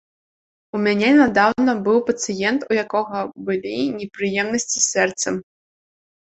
У мяне нядаўна быў пацыент, у якога былі непрыемнасці з сэрцам.